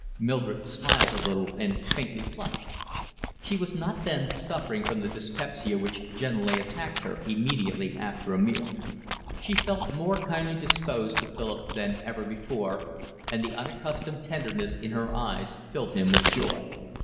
Mildred smiled a little and faintly flushed. She was not then suffering from the dyspepsia which generally attacked her immediately after a meal. She felt more kindly disposed to Philip than ever before, and the unaccustomed tenderness in her eyes filled him with joy.